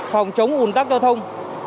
phòng chống ôn tắc giao thông